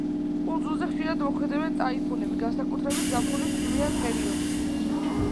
კუნძულზე ხშირად მოქმედებენ ტაიფუნები, განსაკუთრებით ზაფხულის წვიმიან პერიოდში.